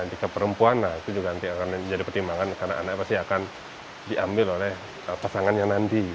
jika perempuan nah itu juga nanti akan jadi pertimbangan karena anaknya pasti akan diambil oleh pasangan yang nanti